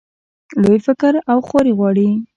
لوی فکر او خواري غواړي.